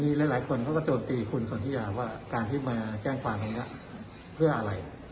มีหลายหลายคนเขาก็โจทย์ตีคุณส่วนที่อยากว่าการที่มาแกล้งความตัวเนี้ยเพื่ออะไร